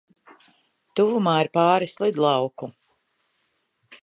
Tuvumā ir pāris lidlauku.